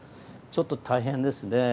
ちょっと大変ですね。